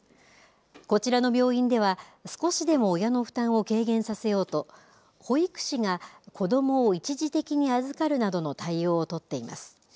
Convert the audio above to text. こちらの病院では少しでも親の負担を軽減させようと保育士が子どもを一時的に預かるなどの対応を取っています。